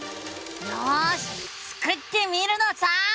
よしスクってみるのさ！